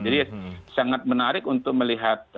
jadi sangat menarik untuk melihat